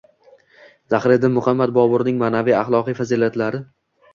Zahiriddin Muhammad Boburning ma’naviy-axloqiy fazilatlari